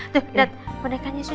tuh tuh nhep bonekanya sus